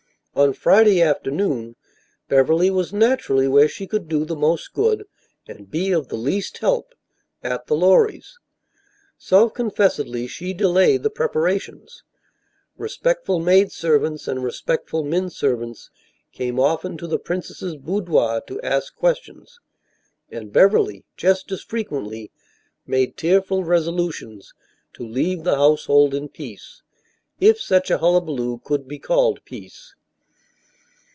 On Friday afternoon, Beverly was naturally where she could do the most good and be of the least help at the Lorrys'. Self confessedly, she delayed the preparations. Respectful maidservants and respectful menservants came often to the princess's boudoir to ask questions, and Beverly just as frequently made tearful resolutions to leave the household in peace if such a hullaballoo could be called peace.